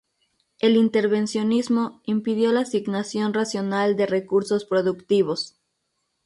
El intervencionismo impidió la asignación racional de recursos productivos.